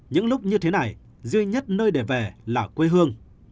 những lúc như thế này duy nhất nơi để về là quê hương